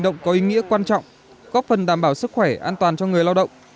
hoạt động có ý nghĩa quan trọng góp phần đảm bảo sức khỏe an toàn cho người lao động